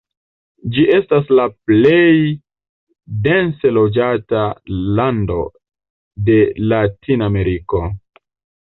Ĝi estas la plej dense loĝata lando de Latinameriko.